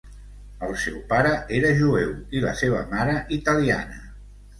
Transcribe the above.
El seu pare era jueu i la seva mare italiana.